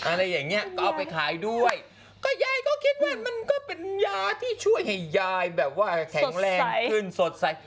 อะไรอย่างเงี้ยก็เอาไปขายด้วยก็ยายก็คิดว่ามันก็เป็นยาที่ช่วยให้ยายแบบว่าแข็งแรงขึ้นสดใส